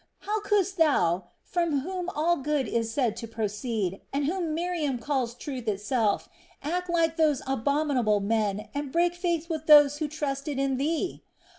How couldst Thou, from whom all good is said to proceed, and whom Miriam calls truth itself, act like those abominable men and break faith with those who trusted in Thee?